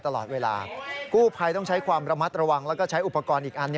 ตลอดเวลากู้ภัยต้องใช้ความระมัดระวังแล้วก็ใช้อุปกรณ์อีกอัน